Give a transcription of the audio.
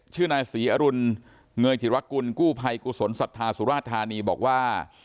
ชื่อนายศรีอรุณเงยจิรกุลกู้ภัยกุศลศรัทธาสุราชธานีบอกว่า